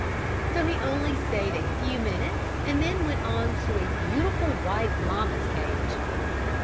So he only stayed a few minutes and then went on to a beautiful white llama's cage.